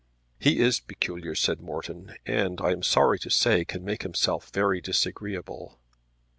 "He is peculiar," said Morton, "and I am sorry to say can make himself very disagreeable."